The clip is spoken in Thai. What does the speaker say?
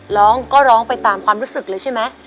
ร้องก็ร้องไปตามความรู้สึกเลยใช่ไหม